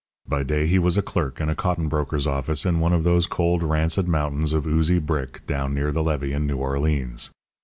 By day he was a clerk in a cotton broker's office in one of those cold, rancid mountains of oozy brick, down near the levee in New Orleans.